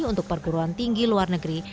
untuk perguruan tinggi luar negeri